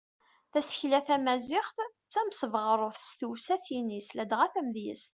Tasekla tamaziɣt d tamesbeɣrut s tewsatin-is ladɣa tamedyazt.